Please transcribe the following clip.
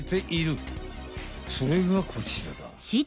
それがこちらだ。